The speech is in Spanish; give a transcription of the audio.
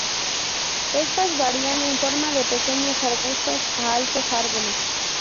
Estas varían en forma de pequeños arbustos a altos árboles.